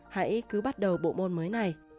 hãy cứ bắt đầu bộ môn mới này